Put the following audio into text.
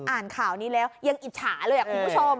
อ่านข่าวนี้แล้วยังอิจฉาเลยคุณผู้ชม